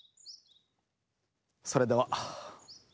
それでは。